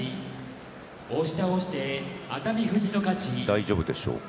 大丈夫でしょうか。